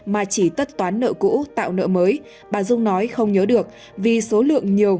mà chỉ tất toán nợ cũ tạo nợ mới bà dung nói không nhớ được vì số lượng nhiều